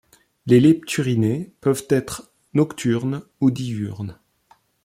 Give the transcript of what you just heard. Les Lepturinae peuvent être nocturnes ou diurnes.